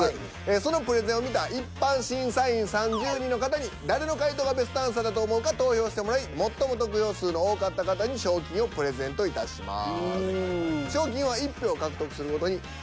そのプレゼンを見た一般審査員３０人の方に誰の回答がベストアンサーだと思うか投票してもらい最も得票数の多かった方に賞金をプレゼントいたします。